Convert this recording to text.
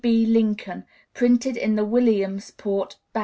B. Lincoln, printed in the "Williamsport [Pa.